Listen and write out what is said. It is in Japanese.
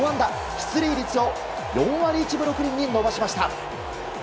出塁率を４割１分６厘に伸ばしました。